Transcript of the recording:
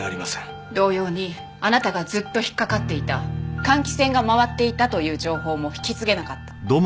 同様にあなたがずっと引っかかっていた換気扇が回っていたという情報も引き継げなかった。